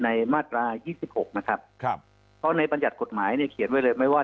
ในมาตรา๒๖นะครับในปัญหาท์กฎหมายนี้เขียนไว้เลยไม่ว่า